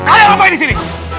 kalian ngapain di sini